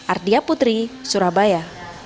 ardia putri surabaya